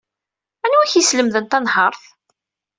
Anwa ay ak-yeslemden tanhaṛt?